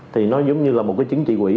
thì nó giống như là một cái chính trị quỹ